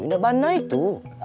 tidak pernah itu